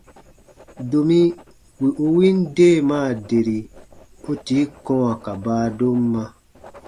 Domi wì u win deemaa deri, u tii kɔ̃wa ka baadomma.